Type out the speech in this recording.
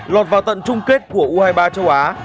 lọt vào tận chung kết của u hai mươi ba châu á